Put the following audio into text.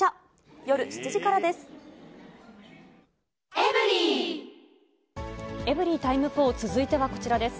夜７時からです。